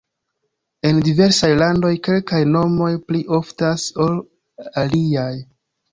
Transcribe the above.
En diversaj landoj kelkaj nomoj pli oftas ol aliaj.